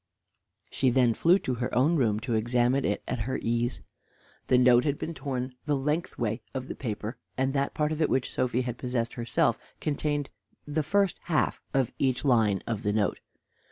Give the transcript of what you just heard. She then flew to her own room to examine it at her ease. The note had been torn the lengthway of the paper, and that part of it of which Sophy had possessed herself contained the first half of each line of the note.